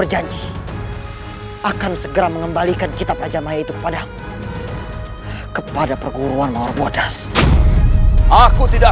janji akan segera mengembalikan kita pajamaya itu padam kepada perguruan maor bodas aku tidak